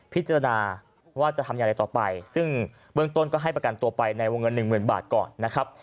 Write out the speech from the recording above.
พิจารณาว่าจะทำอย่างไรต่อไปซึ่งเบื้องต้นก็ให้ประกันตัวไปในวงเงินหนึ่งหมื่นบาทก่อนนะครับ